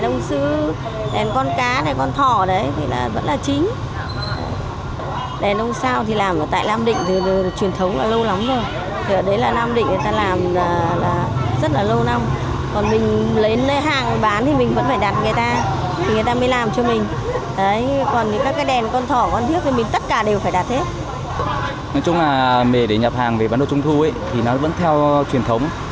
nói chung là để nhập hàng về bán đồ trung thu thì nó vẫn theo truyền thống